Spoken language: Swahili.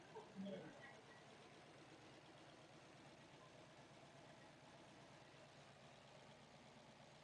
Rwanda inasema kwamba haina mwanajeshi na majina kama hayo katika kikosi chake